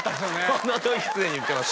この時すでに言ってます